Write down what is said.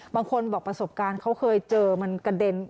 บางคนบอกประสบการณ์เขาเคยเจอมันกระเด็น